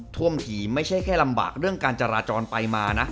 ท่วมถี่ไม่ใช่แค่ลำบากเรื่องการจราจรไปมานะ